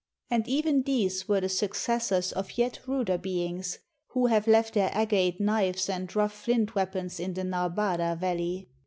And even these were the successors of yet ruder beings, who have left their agate knives and rough flint weapons in the Narbada Valley.